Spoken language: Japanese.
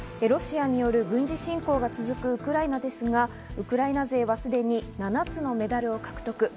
ロシアによる軍事侵攻が続くウクライナですが、ウクライナ勢はすでに７つのメダルを獲得。